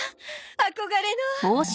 憧れの。